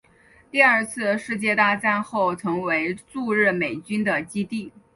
第二次世界大战后成为驻日美军的基地。